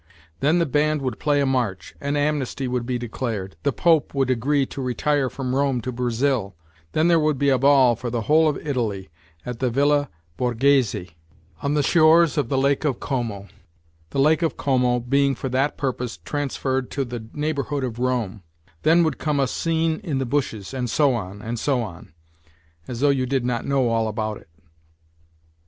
Then the band would play a march, an amnesty would be declared, the Pope would agree to retire from Rome to Brazil; then th<>r<> would be a ball for the whole of Italy at the Villa Borghese on the shores of the Lake of Como, the Lake of Como being for that purpose transferred to the neighbourhood of Rome ; then would come a scene in the bushes, and so on, and so on as though you did not know all about it